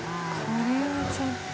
これはちょっと。